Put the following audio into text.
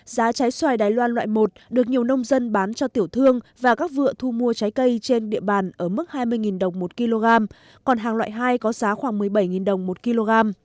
giá trái xoài đài loan loại một được nhiều nông dân bán cho tiểu thương và các vựa thu mua trái cây trên địa bàn ở mức hai mươi đồng một kg còn hàng loại hai có giá khoảng một mươi bảy đồng một kg